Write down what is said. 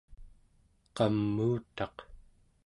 qamuutaq